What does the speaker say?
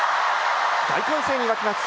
大歓声に沸きます。